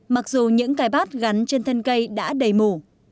mặc dù những cái bát gắn trên thân cây đã đầy mù